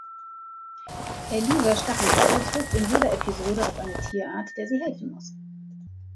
Eliza Stachelbeere trifft in jeder Episode auf eine Tierart, der sie helfen muss.